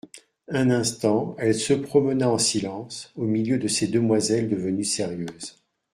Un instant, elle se promena en silence, au milieu de ces demoiselles devenues sérieuses.